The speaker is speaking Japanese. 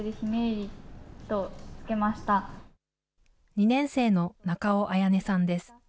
２年生の仲尾彩音さんです。